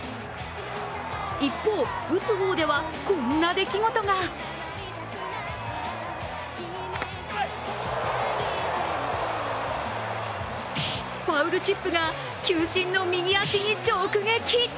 一方、打つ方ではこんな出来事がファウルチップが球審の右足に直撃。